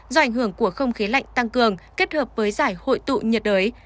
do ảnh hưởng của không khí lạnh tăng cường kết hợp với giải hội tụ nhiệt đới